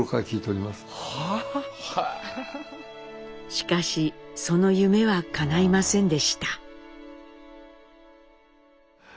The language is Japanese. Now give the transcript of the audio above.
しかしその夢はかないませんでした。